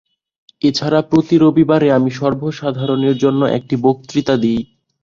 এ ছাড়া প্রতি রবিবারে আমি সর্বসাধারণের জন্য একটি বক্তৃতা দিই।